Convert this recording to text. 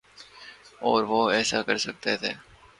اور وہ ایسا کر سکتے تھے۔